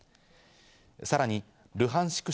さらにルハンシク